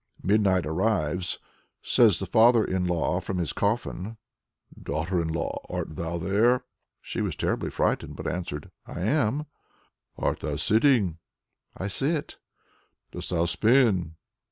Midnight arrives. Says the father in law from his coffin: "Daughter in law, art thou there?" She was terribly frightened, but answered, "I am." "Art thou sitting?" "I sit." "Dost thou spin?"